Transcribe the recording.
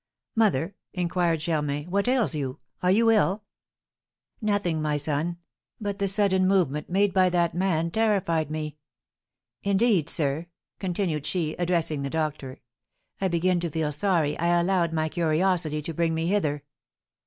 "Mother!" inquired Germain, "what ails you? Are you ill?" "Nothing, my son; but the sudden movement made by that man terrified me. Indeed, sir," continued she, addressing the doctor, "I begin to feel sorry I allowed my curiosity to bring me hither."